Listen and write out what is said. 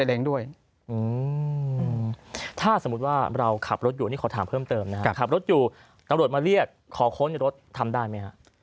ถ้าสมมุติว่าเราขับรถอยู่นี่ขอถามเพิ่มเติมนะครับขับรถอยู่ตำรวจมาเรียกขอค้นในรถทำได้ไหมฮะ